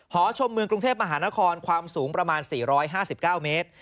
หชมเมืองกรุงเทพมหานครความสูงประมาณ๔๕๙เมตร